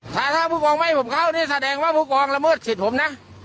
ถ้าถ้าผู้กองไม่ให้ผมเข้านี่แสดงว่าผู้กองละเมิดสิทธิ์ผมนะ